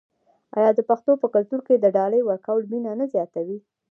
آیا د پښتنو په کلتور کې د ډالۍ ورکول مینه نه زیاتوي؟